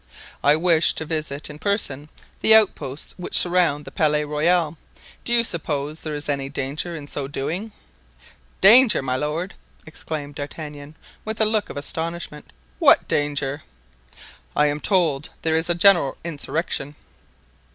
"I wish to visit in person the outposts which surround the Palais Royal; do you suppose that there is any danger in so doing?" "Danger, my lord!" exclaimed D'Artagnan with a look of astonishment, "what danger?" "I am told that there is a general insurrection."